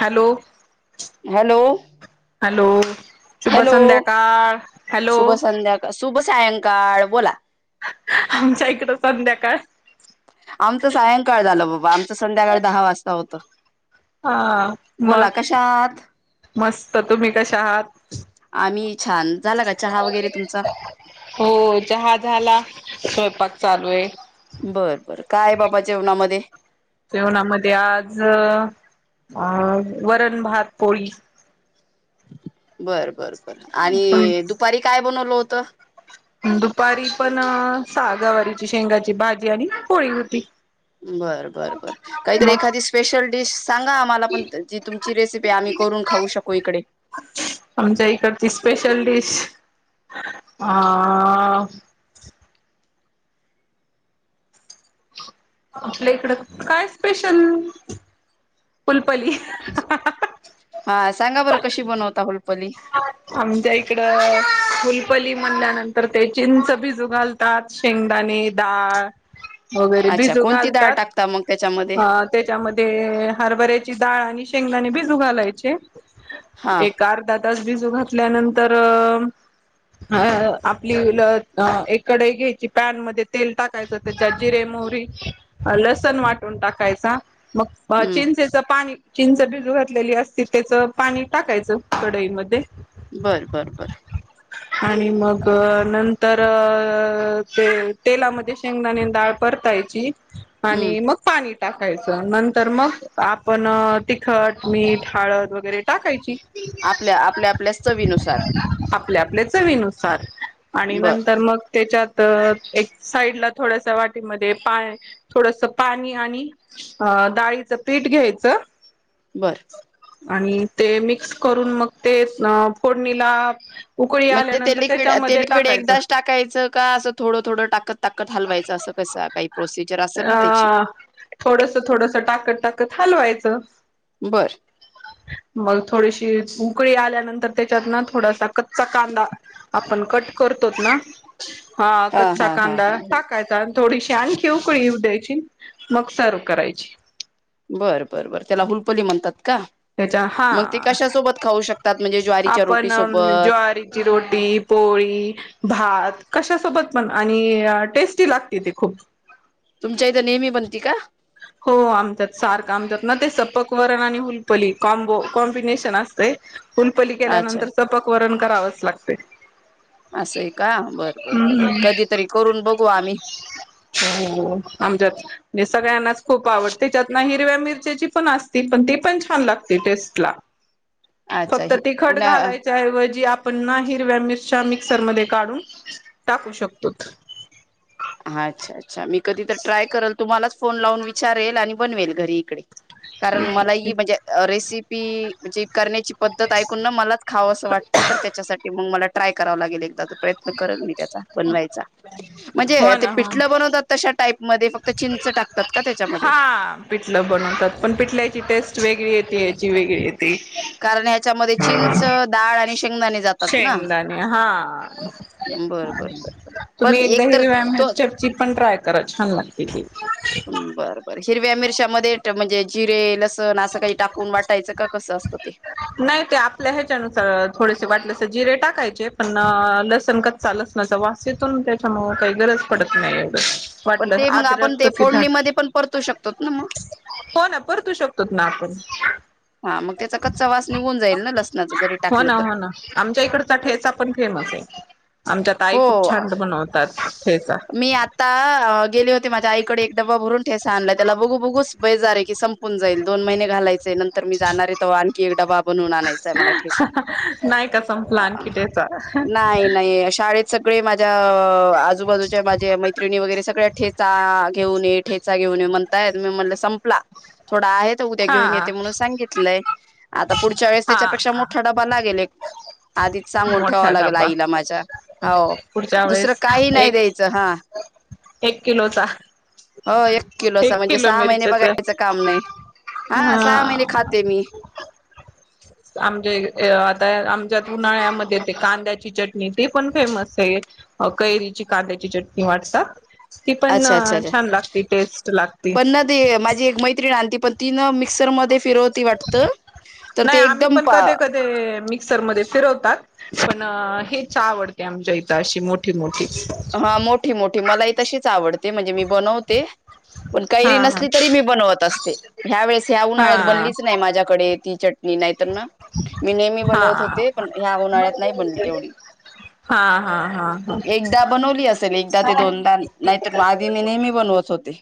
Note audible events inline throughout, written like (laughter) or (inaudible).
Hello, hello hello शुभ hello संध्याकाळ hello शुभ संध्याकाळ शुभ सायंकाळ बोला आमच्या इकड संध्याकाळ आमचं सायंकाळ झालं बाबा आमचं संध्याकाळ दहा वाजता होतं हा बोला मग कशा आहात मस्त तुम्ही कशा आहात आम्ही छान झाला का चहा वगैरे तुमचा हो चहा झाला स्वयंपाक चालू आहे बरं, बर काय बाबा जेेवणामध्ये जेवणामध्ये आज अ वरण, भात, पोळी बर, बर, बर आणि दुपारी काय बनवल होत दुपारी पण सागावारीची शेंगाची भाजी आणि पोळी होती बर, बर, बर काहीतरी मग एखादी स्पेशल डिश सांगा आम्हाला पण जी तुमची रेसिपी आम्ही करून खाऊ शकू इकडे आमच्या इकडची स्पेशल डिश आ आ आपल्या इकडं काय स्पेशल पुलपली. हा सांगा बरं कशी बनवता हुलपली? आमच्या इकडं, हुलपली म्हणल्यानंतर ते चिंच भिजू घालता त्यात शेंगदाणे, डाळ, वगैरे भिजू घालतात. ता मग त्याच्यामध्ये अ त्याच्यामध्ये हरभऱ्याची डाळ आणि शेंगदाणे भिजू घालायचे. हा एक अर्ध र्धा तास भिजू घातल्या नंतर अ आपली ल एक कढई घ्यायची, पॅन मध्ये तेल टाक कायचं, त्यात जिरे मोहरी, लसन वाट टून टाकायचा. मग हम्म चिंचेच पाणी चिंच भिजू घातलेली असती त्याचं पाणी टाकायचं कढईमध्ये बर बर बरं. आणि मग नंतर अ ते तेलामध्ये शेंगदाणे डाळ परताय ची हम्म आणि मग पाणी टाकायचं. नंतर मग आपण तिखट, मीठ, हळद वगैरे टाकायची. आपल्या आपल्या आपल्याच चवीनुसार आ पल्या आपल्या चवीनुसार आणि बर नंतर मग त्याच्यात तर एक साईड ला थोड्यासा वाटीमध्ये पाय, थोडसं पाणी आणि डाळीचं पीठ घ्यायचं. बरं आणि ते मिक्स करून मग ते अ फोडणीला उकळी मग ते आल्यानंतर लिक्विड अ ते त्याच्यामध्ये लिक्विड टाकायचं एकदाच टाकायचं का असं थोडं थोडं टाकत ताकत हलवायचं असं कसं काही प्रोसिजर असेल ना ते हा. थोडसं थोडसं टाकत टाकत हलवायचं. बर मग थोडीशी उकळी आल्यानंतर त्याच्यात ना थोडासा कच्चा कांदा, आपण कट करतोत ना हा कच्चा हा हा कांदा हा टाकायचा आणि थोडीशी आणखी उकळी येऊ द्यायची. मग सर्व्ह करायची. बरं बरं बरं त्याला हुलपली म्हणतात का? त्याच्या हा मग ते कशासोबत खाऊ शक त म्हणजे ज्वारीच्या रोटी सोबत, ची रोटी, पोळी भात कशासोबत पण आणि टेस्टी लागते ती खूप. तुमच्या इथं नेहमी बनती का? हो आमच्यात सारखं. आमच्यात ना ते सपक वरण आणि हुलपली कॉम्बो, कॉम्बिनेशन असते हुलपली अच्छा केल्यानंतर सपक वरण करावंच लागते. असं आहे का? बर बर बर हाय. कधीतरी करून बघू आम्ही. हो आमच्यात म्हणजे सगळ्यांनाच खूप आवडते. त्याच्यात ना हिरव्या मिरच्याची पण असते पण ती पण छान लागते टेस्टला. अच्छा फक्त हे तिखट कुणा घालायच्या ऐवजी आप पण ना, हिरव्या मिरच्या मिक्सरमध्ये काढून, टाकू शकतो. अच्छा अच्छा. मी कधी तरी ट्राय करेल, तुम्हालाच फोन लावून विचारेल आणि बनवेल घरी इकडे. (inaudible) कारण मलाही हो म्हणजे रेसिपी म्हणजे करण्याची पद्धत ऐकून ना मलाच खावसं वाटतं तर त्याच्यासाठी मग मला ट्राय कराव लागेल एकदा तो प्रयत्न करल मी त्याचा बनवायचा. म्हणजे ते ना हो ना. पिठलं बनवतात तशा टाईपमध्ये फक्त चिंच टाकतात का त्याच्यामध्ये हा पिटलं बनवतात पण पिटल्याची टेस्ट वेगळी येते, ह्याची वेगळी येती. कारण याच्यामध्ये चिंच, दाळ आणि शेंगदाणे जातात ना शेंगदाणे हा, बर बर बर बर तुम्ही पण एकदा एक तर हिरव्या तो मिरच्यात -रची पण ट्राय करा, छान लागती ती. बर बर, हिरव्या मिरच्यामध्ये म्हणजे, जिरे लस असं काही टाकून वाटायचं का, कसं असतं ते? नई ते आपल्या ह्याच्यानुसार, अं थोडेसे वाटले तर जिरे टाकायचे, पण लसण क -चा लसनाचा वास येतोना, त्याच्यामुळं काई गरज पडत नाई एवढं पण वाटलं ते मग आपण आद्रक ते, की धाट फोडणीमध्ये पण परतू शकतोत नं मग. हो ना परतू शकतोत ना, आपण. हा मग, त्याचा कच्चा वास निघून जाईल ना, लसणाच जरी हो टाकलं ना हो तरी. आमच्या इकडचा ठेचा पण फेमस ए. आमच्या ताई हो खूप छान बनवतात ठेचा! मी आता गेले होते, माझ्या आईकडे एक डब्बा भरून ठेसा आणलाय. त्याला बघू बघूस बेजार ए, की संप न जाईल. दोन महिने घालायचेय, नंतर मी जाणार हे तव्हा आणखी एक डबा बनून आणायचाय मला ठेचा. नाही का संपला, आणखी ठेचा. नाई नाई, शाळेत सगळे माझ्या, आजूबाजूच्या माझ्या मैत्रिणी वगैरे, सगळ्या ठेच -चा घेऊन ये, ठेचा घेऊन ये म्हणतायत. मी म्हणलं संपला. थोडा आहे तर उद्या हा घेऊन येते म्हणून सांगितलंय. आता पुढच्या वेळेस त्याच्यापेक्षा हा मोठा डबा लागेल एक आधीच सांगून ठेवावं मोठा लागेल डबा आईला माझ्या. हो. पुढच्या दुसरं वेळेस काही नाई एक देत तिचं हा. एक किलोचा. हो. एक किलोचा, एक म्हणजे किलो सहा महिने मिरचीच बघायचं आहे काम नई. हा सहा महिने खाते मी. आमजे, आता आमच्या उन्हाळ्यामध्ये, ते कांद्याची चटणी ती पण फेमस ए. अं कैरीची कांद्याची चटणी वाटसं ती पण, अच्छा, अच्छा, छान लागतती. टेस्ट लागती. ती माझी एक मैत्रीण आणती, पण ती नं मिक्सर म फिरवती वाटतं. तर ते एकदम ते मिक्सरमध्ये फिरवतात पण हीच आवडते, आमच्या इथं अशी मोठी मोठी. हं. मोठी मोठी, मला ही तशीच आवडते, म्हणजे मी बनवते. पण कैरी हा नसली तरी मी, बनवत असते. ह्या वेळेस, ह्या उन्हाळ्यात हा. बनलीच नई माझ्याकडे ती चटणी, नाहीतर ना मी नेहमी हा बनवत होते, पण ह्या उन्हाळ्यात नई बनली तेवढी. हाहा, हाहा. एकदा बनवली असेल एकदा ते दोनदान, नाई तर आधी मी नेहमी बनवत होते.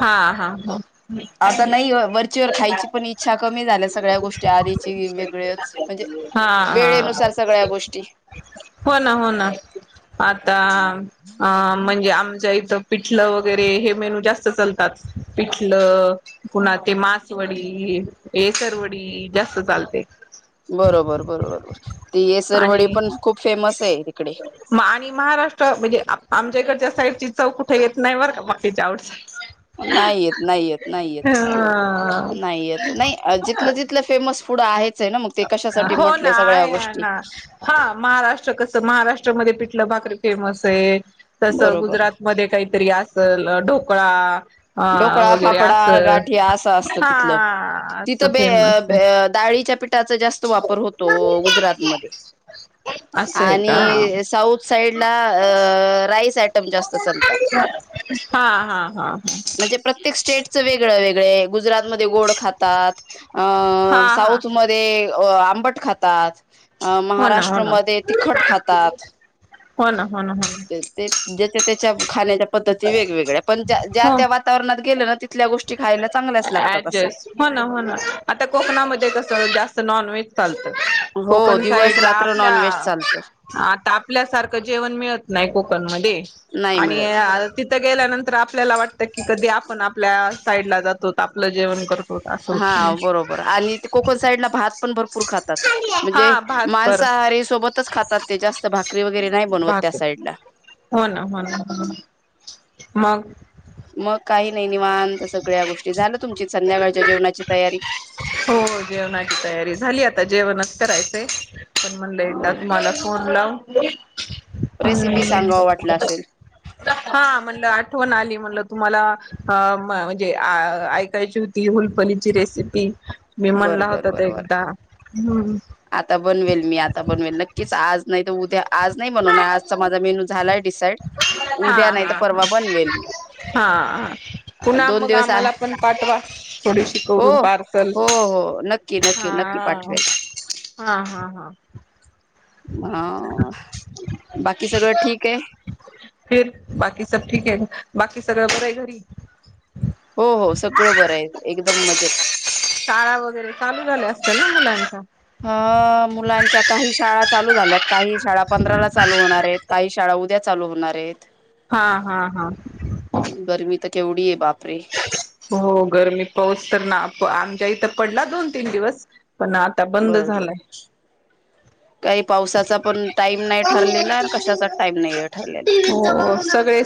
हा हा हा हा आता नई वं. वरचीवर खायची पण, इच्छा कमी झाल्या, सगळ्या गोष्टी आधीची वेगळंच, म्हणजे वेळेनुसार सगळ्या गोष्टी होना, होना. आता अं म्हणजे आमच्या इथं पिठलं वगैरे, हे मेनू जास्त चालतात. पिठलं, पुन्हा ते मासवडी, येसरवडी जास्त चालते. बरोबर, बरोबर. ती आणि येसरवडी पण खूप फेमस ए इकडे. आणि महाराष्ट्र, म्हणजे आमच्याकडच्या साईडची चव कुठं येत नाई बरं का! बाकीच्या आ (inaudible) नाई येत, नाई येत, नाई येत. साईड नाही येत, नाई ह जिथलं तिथलं फेमस फुड आहेच आहे ना मग ते कशासाठी हो ना म्हटलंय सगळ्या आहे गोष्टी ना हा महाराष्ट्र कसं महाराष्ट्रामध्ये पिठलं भाकरी फेमस आहे. तस बरोबर गुजरात मध्ये काहीतरी असल ढोकळा अ ढोकळा वगैरे फाफडा असं गाठीया असं असतं तिथलं हा असं तिथंल बे फेमस बे आहे डाळीच्या पिठाचा जास्त वापर होतो गुजरातमध्ये. असं आहे का आणि साऊथ साइड ला अ राईस आयटम जास्त चालतात. हा हा हा. म्हणजे प्रत्येक स्टेटचं वेगळं वेगळे गुजरातमध्ये गोड खातात. अ हा हा साऊथ मध्ये आंबट खातात. अ हो ना हो ना महाराष्ट्रमध्ये तिखट खातात. हो ना हो ना हो ना. ते ज्याच्या त्याच्या खाण्याच्या पद्धती वेगवेगळ्या पण ज्या ज्या. ना त्या वातावरणात गेलं ना तिथल्या गोष्टी खायला चांगल्याच लागतात असं अड्जस्ट हो ना हो ना आता कोकणामध्ये कस जास्त नॉन व्हेज. चालतय आहे हो कोकण दिवस साईड ला रात्र आपल्या. नॉनव्हेज चालतं आता आपल्यासारखं जेवण मिळत नाही कोकणमध्येध् नाही आणि मिळत अल्प तिथं गेल्यानंतर आपल्याला वाटतं की कधी आपण आपल्या साईड ला जातो आपलं जेवण करतो. असं हा होत बरोबर आणि ते कोकण साईडला भात पण भरपूर खातात. म्हणजे हा भात पर मांसाहारी सोबतच खातात ते जास्त भाकरी वगैरे नाही बनवत त्या भाकर साईडला. हो ना हो ना मग. मग काही नाही निवांत सगळ्या गोष्टी झाल्या तुमची संध्याकाळच्या जेवणाची तयारी? हो जेवणाची तयारी झाली आता जेवणच करायचंय पण म्हणलं एकदा बर तुम्हाला. पूर्णम रेसिपी हम् (unintelligible) सांगाव वाटलं असेल हा म्हणलं आठवण आली म्हणलं तुम्हाला. म्हणजे ऐकायची होती हुलफलीची रेसिपी मी बर म्हणला बर होता तर बर बर एकदा हम्म. आता बनवेल मी आता बनवेल नक्कीच आज नाही तर उद्या. आज नाही म्हणून आजचा माझा मेनू झालाय डिसाईड. हा उद्या नाही हा तर परवा बनवेल मी ह हा पुन्हा दोन मग दिवस आहे आम्हाला. पण पाठवा थोडीशी हो करून पार्सल हो हो नक्की नक्की नक्की हा. पाठवेल हा हा हा हा बाकी सगळं ठीक आहे? फिर बाकी सब ठीक आहे बाकी सगळं बर आहे घरी? हो हो सगळं बरं आहे एकदम मजेत. शाळा वगैरे चालू झाल्या असतील ना मुलांच्या? ह मुलांच्या काही शाळा चालू झाल्यात. काही शाळा पंधरा ला चालू होणार आहेत काही शाळा उद्या चालू होणार आहेत. हा हा हा. गरमी तर केवढी आहे बापरे. हो गरमी पाऊस तर ना आमच्या इथं पडला दोन तीन दिवस पण आ त्ता बंद बर बर झालाय. काही पावसाचा पण टाईम नाही ठरलेला कशाचाच टाईम नाही आहे ठरलेला. हो सगळे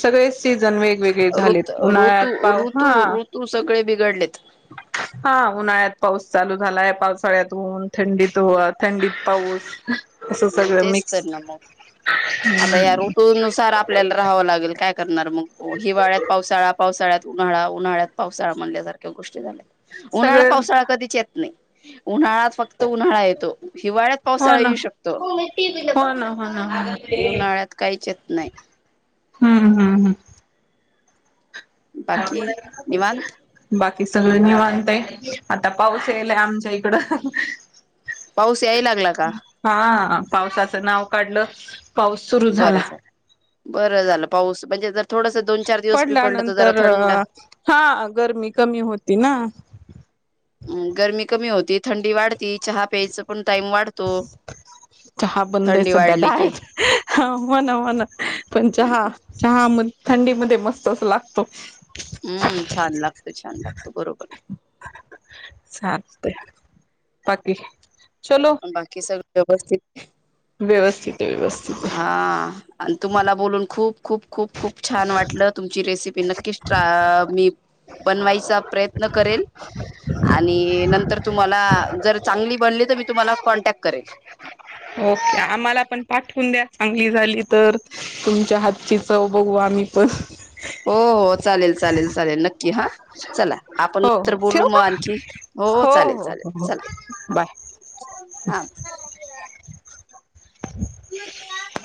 सगळेच सीझन वेगवेगळे झालेत उन्हाळ्यात पाव हा. तू सगळे बिघडलेत. ह (unintelligible) हां, उन्हाळ्यात पाऊस चालू झालाय, पावसाळ्यात उन, थंडीत व थंडीत पाऊस असं हम् सगळं तेच मिक्स तर ना मग, आता या ऋटू नुसार आप आपल्याला राहावं लागल, काय करणार मग, हिवाळ्यात पावसाळा, पावसाळ्यात उन्हाळा, उन्हाळ्यात पावसाळा, म्हणल्यासारखे गोष्टी झाल्या, उन्हाळ्यात सगळेच पावसाळा, कधीच येत नही, उन्हाळच फक् त, उन्हाळा येतो, हिवाळ्यात हो पावसाळा ना येऊ शक हो मी टिफिन (unintelligible) हो ना, होणा होणा. उन्हाळ्यात काहीच येत नाही हम्म हम् हम्म. बाकी? निवांत. बाकी सगळं निवांतय, आता पाऊस येयलाय, आमच्या इकडं. पाऊस याय, लागला का? हां, पावसाचं नाव काढलं पाऊस सुरू झाला बरं झालं, बरं झालं पाऊस, म्हणजे जर थोडस दोन-चार दिवस, बी पडलं, तर जरा थंड हां, गरमी कमी होती ना? म गरमी कमी होती, थंडी वाढती, चहा प्यायचं पण टाईम वाढ चहा बंद ये, सध्या वाढली की डाएट हां, म्हणा म्हणा, पण चहा, चहा म थंडी मध्ये, मस्तच लागतो. हम्म, छान लागतो, छान लागतो बरोबर. चालतंय, बाकी? चलो आहे बाकी, सगळ व्यवस्थित? व्यवस्थित ये व्यवस्थित. हां. अन, तुम्हाला बोलून, खूप-खूप, खूप- खूप छान वाटलं, तुमची रेसिपी नक्कीच ट्र अ मी बनवायचा प्रयत्न करेल आणि नंतर तुम्हाला, जर चांगली बनली त मी तुम्हाला, कॉन्टॅक्ट करेल. ओके, आम्हाला पण पाठवून द्या, चांगली झाली तर. तुमच्या हातची, चव बघू, आम्ही पण. हो हो, चालेल चालेल चालेल, नक्की हां, चला आपण हो हो नंतर बोलू, ठेव मग का आणखी, हो हो चालेल-चालेल हो हो चाला. बाय हा. (inaudible)